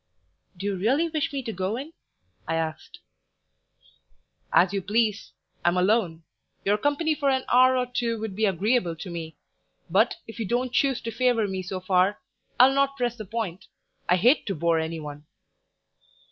"Do you really wish me to go in?" I asked. "As you please I'm alone; your company for an hour or two would be agreeable to me; but, if you don't choose to favour me so far, I'll not press the point. I hate to bore any one."